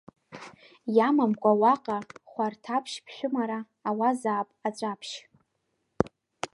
Иамамкәа уаҟа хәарҭаԥшь, ԥшәымара ауазаап аҵәаԥшь!